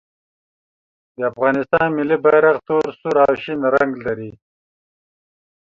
د افغانستان ملي بیرغ تور، سور او شین رنګ لري.